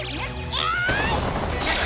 えい！